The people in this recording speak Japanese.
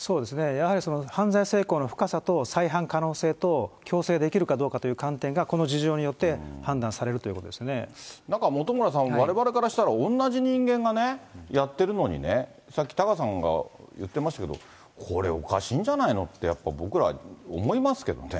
やはり、犯罪性向の深さと再犯可能性と、矯正できるかどうかという観点がこの事情によって、判断されるとなんか本村さん、われわれからしたら同じ人間がね、やってるのにね、さっきタカさんが言ってましたけれども、これ、おかしいんじゃないのって、やっぱり僕ら思いますけどね。